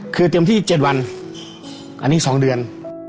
คือเต็มที่๗วันอันนี้๒เดือน